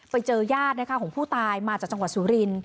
ไปเจอยาดของผู้ตายมาจากจังหวัดสุริน